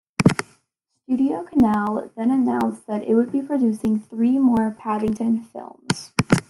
StudioCanal then announced that it would be producing three more "Paddington" films.